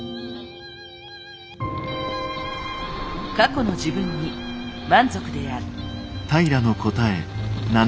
過去の自分に満足である。